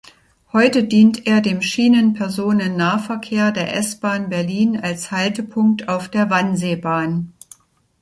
Heute dient er dem Schienenpersonennahverkehr der S-Bahn Berlin als Haltepunkt auf der Wannseebahn.